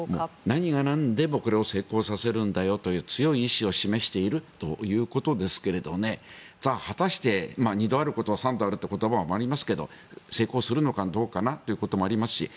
何がなんでもこれを成功させるんだよという強い意思を示しているということですがさあ果たして、２度あることは３度あるという言葉もありますが成功するのかどうかということもありますし